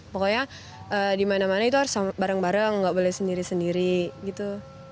pokoknya dimana mana itu harus bareng bareng gak boleh sendiri sendiri gitu